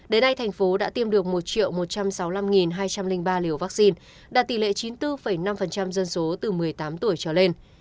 đến nay thành phố đã tiêm được một một trăm sáu mươi năm hai trăm linh ba liều vaccine đạt tỷ lệ chín mươi bốn năm dân số từ một mươi tám tuổi trở lên